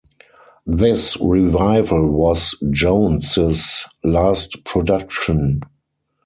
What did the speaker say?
This revival was Jones's last production.